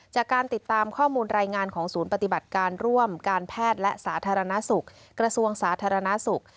จากการติดตามข้อมูลรายงานของศูนย์ปฏิบัติการร่วมการแพทย์และสาธารณสุขกระทรวงสาธารณสุข